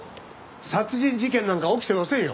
殺人事件なんか起きてませんよ。